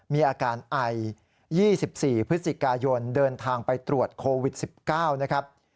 มีอาการไอ๒๔พฤศจิกายนเดินทางไปตรวจโควิด๑๙นะครับ